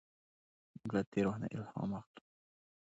موږ له تېر وخت نه الهام اخلو.